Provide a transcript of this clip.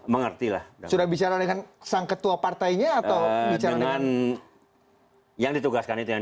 mengerti lah sudah bicara dengan sang ketua partainya atau bicara dengan yang ditugaskan itu yang